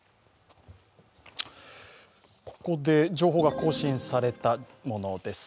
ここで情報が更新されたものです。